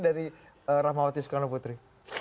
dari rahmawati soekarnoputri